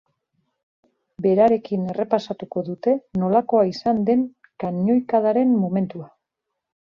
Berarekin errepasatuko dute nolakoa izan den kanoikadaren momentua.